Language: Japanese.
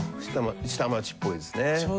下町っぽいですね。